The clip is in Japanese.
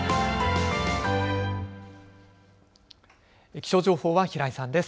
気象情報は平井さんです。